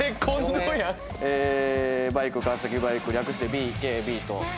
バイク川崎バイク略してＢＫＢと。